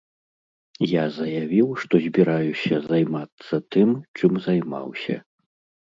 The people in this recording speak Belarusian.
Я заявіў, што збіраюся займацца тым, чым займаўся.